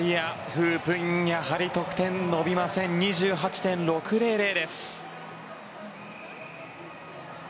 フープ、やはり得点伸びません。２８．６００です。